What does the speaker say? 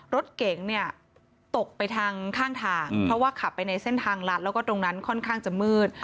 รถเก๋งเนี่ยตกไปทางข้างทางเพราะว่าขับไปในเส้นทางลัดแล้วก็ตรงนั้นค่อนข้างจะมืด